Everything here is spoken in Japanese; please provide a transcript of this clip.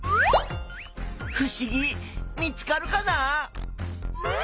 ふしぎ見つかるかな？